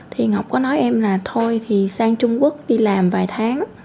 thì ngọc có nói em là thôi thì sang trung quốc đi làm vài tháng